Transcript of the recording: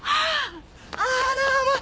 あらまあ。